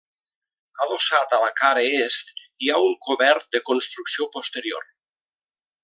Adossat a la cara est hi ha un cobert de construcció posterior.